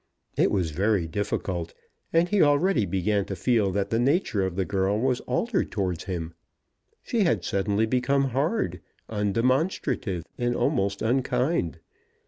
It was very difficult, and he already began to feel that the nature of the girl was altered towards him. She had suddenly become hard, undemonstrative, and almost unkind.